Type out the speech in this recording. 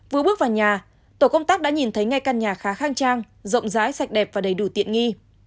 vừa bước vào nhà tổ công tác đã nhìn thấy ngay căn nhà khá khang trang rộng rãi sạch đẹp và đầy đủ tiện nghi